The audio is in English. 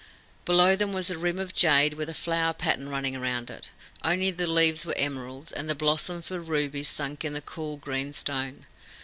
Below them was a rim of jade with a flower pattern running round it only the leaves were emeralds, and the blossoms were rubies sunk in the cool, green stone.